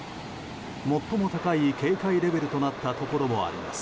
最も高い警戒レベルとなったところもあります。